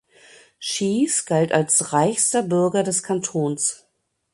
Schiess galt als reichster Bürger des Kantons.